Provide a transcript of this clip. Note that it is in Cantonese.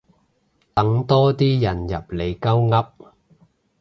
等多啲人入嚟鳩噏